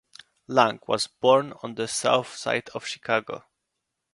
Lang was born on the south side of Chicago.